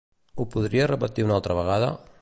Ho podries repetir una altra vegada?